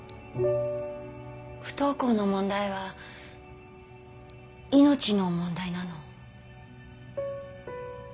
不登校の問題は命の問題なの。